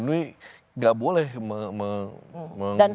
and we gak boleh mengatakan